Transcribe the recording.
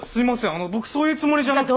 あの僕そういうつもりじゃなくて。